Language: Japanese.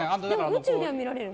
宇宙では見られるの？